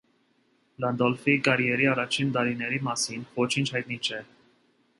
Լանդոլֆի կարիերայի առաջին տարիների մասին ոչինչ հայտնի չէ։